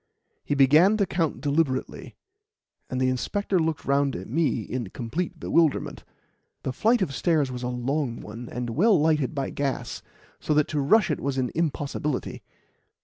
He began to count deliberately, and the inspector looked round at me in complete bewilderment. The flight of stairs was a long one, and well lighted by gas, so that to rush it was an impossibility.